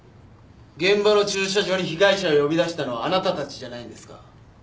現場の駐車場に被害者を呼び出したのはあなたたちじゃないんですか？